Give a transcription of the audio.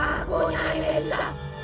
aku nyai medusa